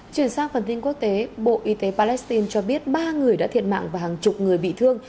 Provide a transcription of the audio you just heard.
chuyển sang phần tin quốc tế bộ y tế palestine cho biết ba người đã thiệt mạng và hàng chục người bị thương